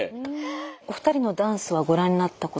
お二人のダンスはご覧になったことは？